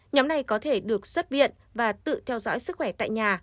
nhóm này có thể được xuất viện và tự theo dõi sức khỏe tại nhà